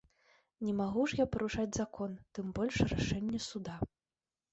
Не магу ж я парушаць закон, тым больш, рашэнне суда.